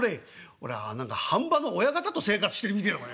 「俺何か飯場の親方と生活してるみてえな。